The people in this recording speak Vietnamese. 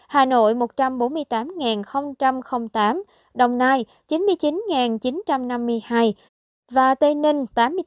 hà nội một trăm bốn mươi tám tám đồng nai chín mươi chín chín trăm năm mươi hai tây ninh tám mươi tám năm trăm hai mươi